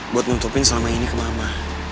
buat nutupin selama ini ke mama